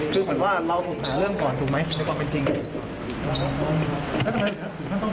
ถ้าแบบมองเขาเหน็ดเลยนะครับ